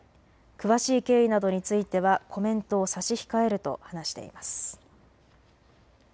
詳しい経緯などについてはコメントを差し控えると話しています。